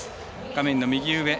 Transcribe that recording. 画面の右上